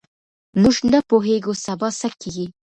موږ نه پوهېږو سبا څه کیږي.